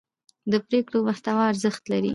د پرېکړو محتوا ارزښت لري